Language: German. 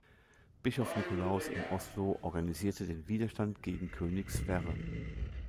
Bischof Nikolaus in Oslo organisierte den Widerstand gegen König Sverre.